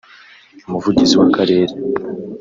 Umuvugizi w’Akarere